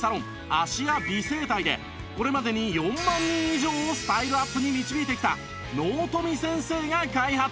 芦屋美整体でこれまでに４万人以上をスタイルアップに導いてきた納富先生が開発！